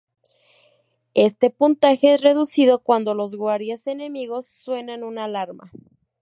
Este puntaje es reducido cuando los guardias enemigos suenan una alarma.